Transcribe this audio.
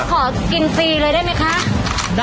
ขอกินฟรีเลยได้ไหมคะ